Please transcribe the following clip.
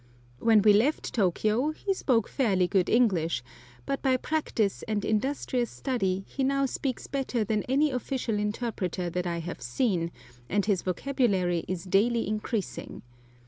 When we left Tôkiyô he spoke fairly good English, but by practice and industrious study he now speaks better than any official interpreter that I have seen, and his vocabulary is daily increasing.